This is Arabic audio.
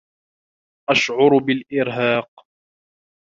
أشعر بالإرهاق.